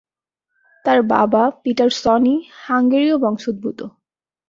তার বাবা "পিটার সনি" হাঙ্গেরীয় বংশোদ্ভূত।